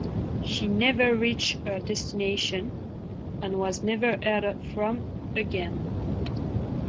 She never reached her destination, and was never heard from again.